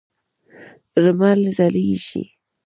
لمر ځلېږي.